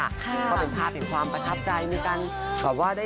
มันเป็นภาพแปลงความประทับใจในการ